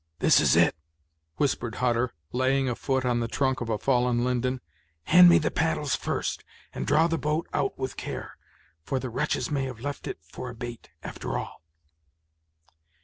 "This is it," whispered Hutter, laying a foot on the trunk of a fallen linden; "hand me the paddles first, and draw the boat out with care, for the wretches may have left it for a bait, after all."